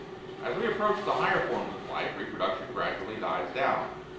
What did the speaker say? As we approach the higher forms of life, reproduction gradually dies down.